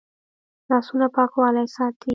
لاسونه پاکوالی ساتي